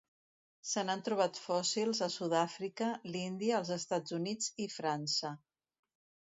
Se n'han trobat fòssils a Sud-àfrica, l'Índia, els Estats Units i França.